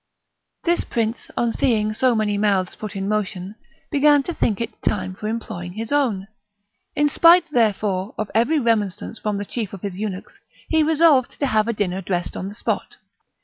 This prince, on seeing so many mouths put in motion, began to think it time for employing his own; in spite, therefore, of every remonstrance from the chief of his eunuchs, he resolved to have a dinner dressed on the spot.